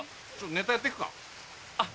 ネタやってく？